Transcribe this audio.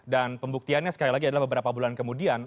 dan pembuktiannya sekali lagi adalah beberapa bulan kemudian